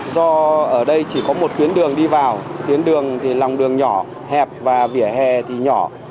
do ở đây chỉ có một tuyến đường đi vào tuyến đường thì lòng đường nhỏ hẹp và vỉa hè thì nhỏ